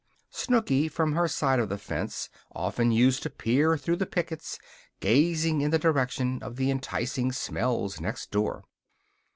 Snooky, from her side of the fence, often used to peer through the pickets, gazing in the direction of the enticing smells next door.